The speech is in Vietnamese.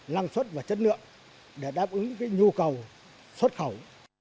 năng suất và chất lượng để đáp ứng nhu cầu xuất khẩu